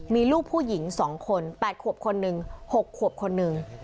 มีลูกผู้หญิง๒คน๘ขวบคนหนึ่ง๖ขวบคนหนึ่ง